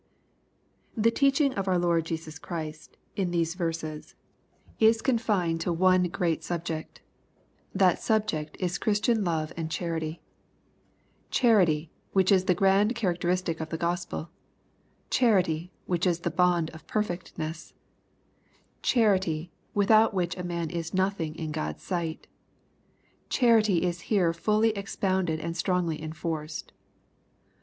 The teaching of oui Lord Jesus Christy in these veraeSy LUKE, CHAP. VI. 183 is confined to one great subject. That subject is Chris tian love and charity. Charity, which is the grand characteristic of the Gospel, — charity, which is the bond of perfectness, — charity, without which a man is noth ing in God's sight, — charity is here fully expounded and strongly enforced.